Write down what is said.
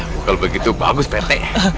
wah kayak bukal begitu bagus pt